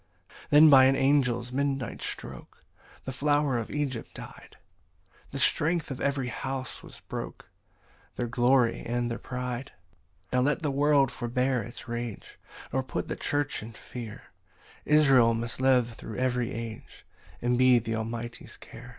13 Then by an angel's midnight stroke, The flower of Egypt dy'd; The strength of every house was broke, Their glory and their pride. 14 Now let the world forbear its rage, Nor put the church in fear; Israel must live thro' every age, And be th' Almighty's care.